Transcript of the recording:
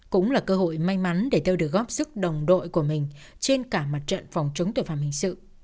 cũng là cơ hội may mắn để tôi được góp sức đồng đội của mình trên cả mặt trận phòng chống tội phạm hình sự